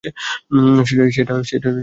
সেটা ঠিক আছে।